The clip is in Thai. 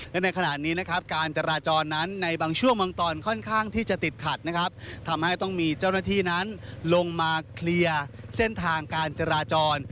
และในขณะนี้นะครับการจราจรนั้นในบางช่วงบางตอนค่อนข้างที่จะติดขัดนะครับทำให้ต้องมีเจ้าหน้าที่นั้นลงมาเคลียร์เส้นทางการจราจร